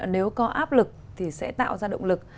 nếu có áp lực thì sẽ tạo ra động lực